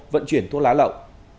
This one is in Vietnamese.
vận chuyển thuốc lá lậu